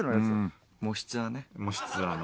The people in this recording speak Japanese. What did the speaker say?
『もしツア』の。